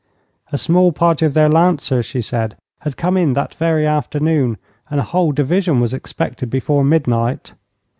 A small party of their lancers, she said, had come in that very afternoon, and a whole division was expected before midnight.